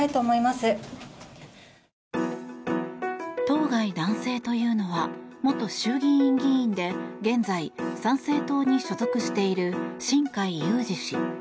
当該男性というのは元衆議院議員で現在、参政党に所属している新開裕司氏。